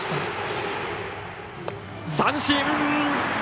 三振！